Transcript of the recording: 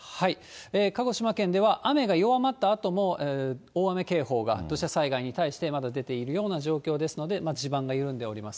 鹿児島県では雨が弱まったあとも、大雨警報が土砂災害に対してまだ出ているような状況ですので、地盤が緩んでおります。